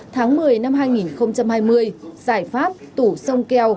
tháng một mươi năm hai nghìn hai mươi giải pháp tủ sông keo